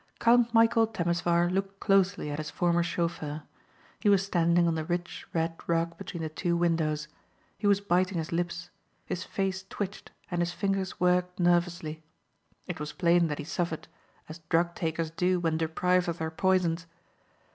Count Michæl Temesvar looked closely at his former chauffeur. He was standing on the rich red rug between the two windows. He was biting his lips; his face twitched and his fingers worked nervously. It was plain that he suffered as drug takers do when deprived of their poisons.